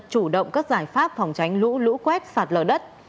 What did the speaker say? chủ động các giải pháp phòng tránh lũ lũ quét sạt lở đất